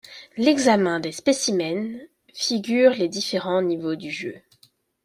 L'examen des spécimens figure les différents niveaux du jeu.